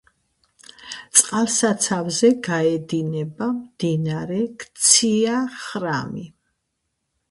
წყალსაცავზე გაედინება მდინარე ქცია-ხრამი.